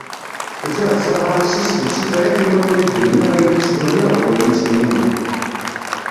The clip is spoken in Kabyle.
Ufiɣ-d tafransist d tifrat i wakken ad d-iniɣ ayen i ttwaliɣ d wayen i txemmimeɣ.